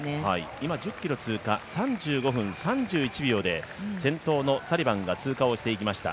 今、１０ｋｍ通過３５分３１秒で、先頭のサリバンが通過をしていきました。